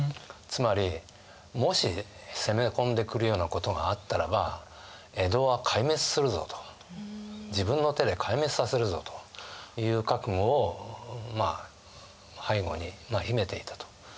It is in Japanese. つまりもし攻めこんでくるようなことがあったらば江戸は壊滅するぞと自分の手で壊滅させるぞという覚悟をまあ背後に秘めていたというふうに考えられます。